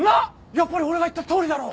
やっぱり俺が言ったとおりだろ？